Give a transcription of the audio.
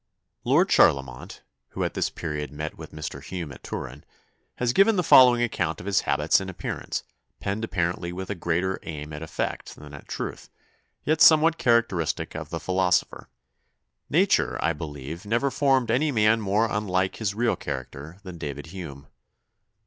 ] "Lord Charlemont, who at this period met with Mr. Hume at Turin, has given the following account of his habits and appearance, penned apparently with a greater aim at effect than at truth, yet somewhat characteristic of the philosopher: 'Nature, I believe, never formed any man more unlike his real character than David Hume.